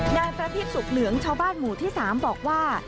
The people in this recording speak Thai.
นายประพิษสุขเหลืองชาวบ้านหมู่ที่๓บอกว่า